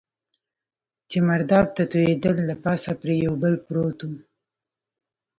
چې مرداب ته توېېدل، له پاسه پرې یو پل پروت و.